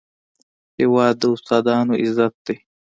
هېواد د استادانو عزت دی.